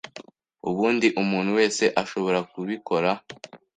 ubundi umuntu wese ashobora kubikora